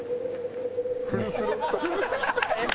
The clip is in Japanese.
フルスロットル。